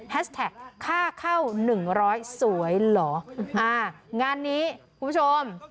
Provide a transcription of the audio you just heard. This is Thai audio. แท็กค่าเข้าหนึ่งร้อยสวยเหรออ่างานนี้คุณผู้ชม